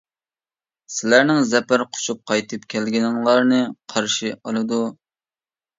سىلەرنىڭ زەپەر قۇچۇپ قايتىپ كەلگىنىڭلارنى قارشى ئالىدۇ!